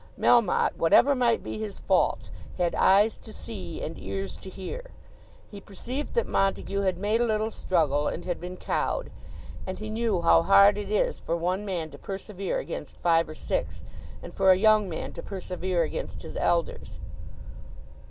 Melmotte, whatever might be his faults, had eyes to see and ears to hear. He perceived that Montague had made a little struggle and had been cowed; and he knew how hard it is for one man to persevere against five or six, and for a young man to persevere against his elders.